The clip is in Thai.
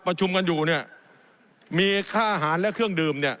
ประชุมกันอยู่เนี่ยมีค่าอาหารและเครื่องดื่มเนี่ย